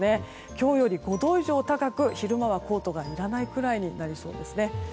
今日より５度以上高く昼間はコートがいらないくらいになりそうですね。